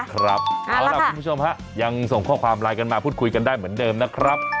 ครับเอาล่ะคุณผู้ชมฮะยังส่งข้อความไลน์กันมาพูดคุยกันได้เหมือนเดิมนะครับ